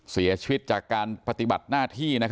เสียชีวิตจากการปฏิบัติหน้าที่